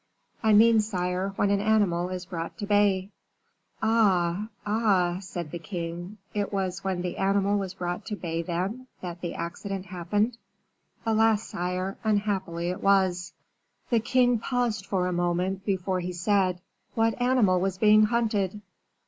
"I mean, sire, when an animal is brought to bay." "Ah, ah!" said the king, "it was when the animal was brought to bay, then, that the accident happened?" "Alas! sire, unhappily it was." The king paused for a moment before he said: "What animal was being hunted?"